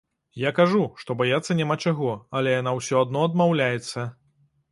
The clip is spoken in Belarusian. Я кажу, што баяцца няма чаго, але яна ўсё адно адмаўляецца.